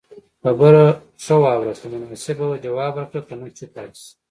خبره خه واوره که مناسبه وه جواب ورکړه که نه چوپ پاتي شته